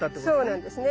そうなんですね。